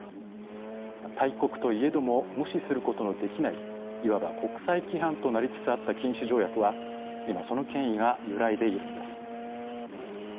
大国といえども無視することのできないいわば国際規範となりつつあった禁止条約は今その権威が揺らいでいるのです。